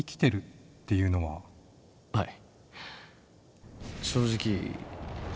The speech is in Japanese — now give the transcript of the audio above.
はい。